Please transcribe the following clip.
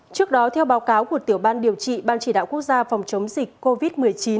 trước đó theo báo cáo của tiểu ban điều trị ban chỉ đạo quốc gia phòng chống dịch covid một mươi chín